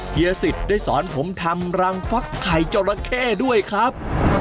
เฮียสิตได้สอนผมทำรังวัดไข่จสแคร้ด้วยครับ